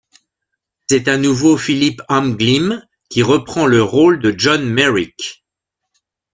C'est à nouveau Philip Anglim qui reprend le rôle de John Merrick.